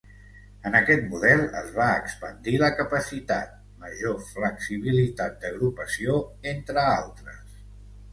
En aquest model es va expandir la capacitat, major flexibilitat d'agrupació, entre altres.